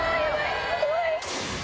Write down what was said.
怖い！